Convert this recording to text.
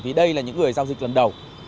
vì đây là những người giao dịch lần đầu